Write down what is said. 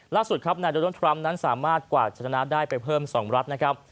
ล่าสุดครับนายโดนัลดทรัมป์นั้นสามารถกวาดชนะได้ไปเพิ่ม๒รัฐนะครับ